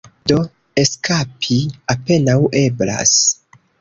Do, eskapi apenaŭ eblas.